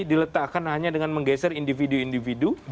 diletakkan hanya dengan menggeser individu individu